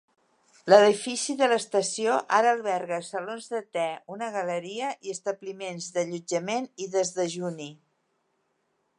L'edifici de l'estació ara alberga salons de te, una galeria i establiments d'allotjament i desdejuni.